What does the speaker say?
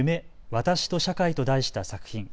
私と社会と題した作品。